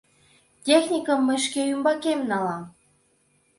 Техникым мый шке ӱмбакем налам.